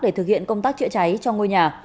để thực hiện công tác chữa cháy cho ngôi nhà